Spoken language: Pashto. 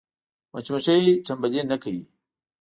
مچمچۍ تنبلي نه کوي